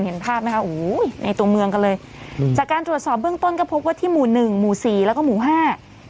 เห็นภาพไหมคะโอ้โหในตัวเมืองกันเลยอืมจากการตรวจสอบเบื้องต้นก็พบว่าที่หมู่หนึ่งหมู่สี่แล้วก็หมู่ห้า